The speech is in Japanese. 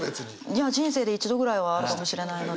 いや人生で一度ぐらいはあるかもしれないので。